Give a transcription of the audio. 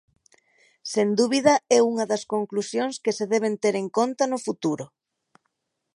Sen dúbida é unha das conclusións que se deben ter en conta no futuro.